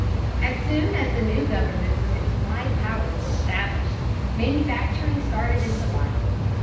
As soon as the new government with its wide powers was established, manufacturing started into life.